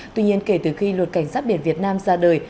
tuy nhiên kể từ khi luật cảnh sát biển việt nam ra đời